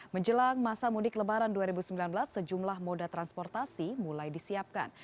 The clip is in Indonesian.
menjelang masa mudik lebaran dua ribu sembilan belas sejumlah moda transportasi mulai disiapkan